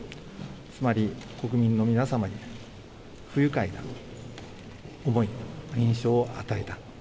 つまり国民の皆様に不愉快な思い印象を与えた。